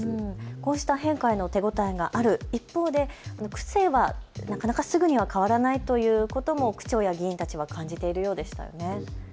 こうした変化への手応えがある一方で区政はなかなかすぐには変わらないということも区長や議員たちは感じているようでしたね。